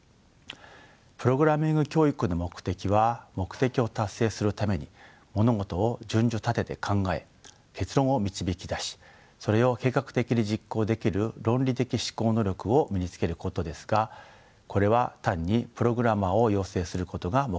プログラミング教育の目的は目的を達成するために物事を順序立てて考え結論を導き出しそれを計画的に実行できる論理的思考能力を身につけることですがこれは単にプログラマーを養成することが目的ではありません。